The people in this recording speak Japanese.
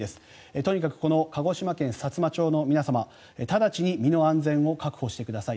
とにかくこの鹿児島県さつま町の皆様直ちに身の安全を確保してください。